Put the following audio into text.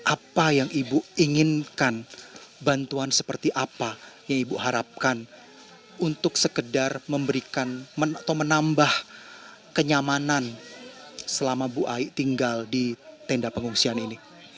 apa yang ibu inginkan bantuan seperti apa yang ibu harapkan untuk sekedar memberikan atau menambah kenyamanan selama bu ai tinggal di tenda pengungsian ini